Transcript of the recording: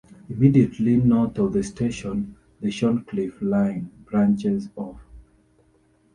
Immediately north of the station, the Shorncliffe line branches off.